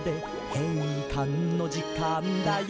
「へいかんのじかんだよ」